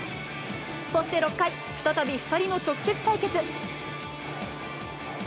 そして６回、再び、２人の直接対決。